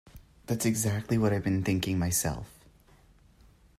That's exactly what I've been thinking myself.